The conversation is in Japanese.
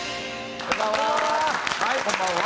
こんばんは！